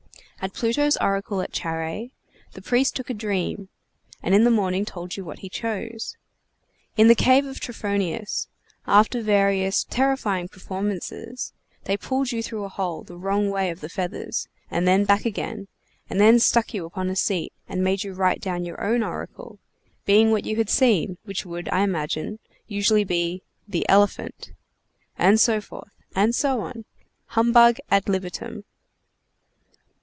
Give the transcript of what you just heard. At Pluto's oracle at Charæ, the priest took a dream, and in the morning told you what he chose. In the cave of Trophonius, after various terrifying performances, they pulled you through a hole the wrong way of the feathers, and then back again, and then stuck you upon a seat, and made you write down your own oracle, being what you had seen, which would, I imagine, usually be "the elephant." And so forth, and so on. Humbug _ad libitum!